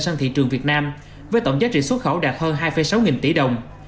sang thị trường việt nam với tổng giá trị xuất khẩu đạt hơn hai sáu nghìn tỷ đồng